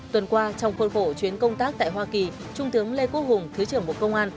tuần qua trong khuôn khổ chuyến công tác tại hoa kỳ trung tướng lê quốc hùng thứ trưởng bộ công an